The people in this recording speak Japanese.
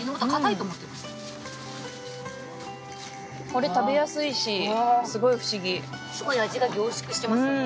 これ食べやすいしすごい不思議すごい味が凝縮してますね